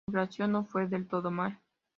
La inflación no fue del todo mal.